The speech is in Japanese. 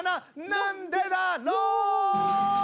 「なんでだろう」！